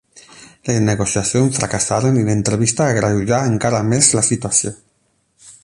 Les negociacions fracassaren i l’entrevista agreujà encara més la situació.